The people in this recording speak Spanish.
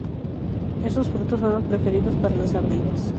Esos frutos son los preferidos para las ardillas.